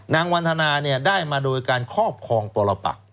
วันธนาได้มาโดยการครอบครองปรปัก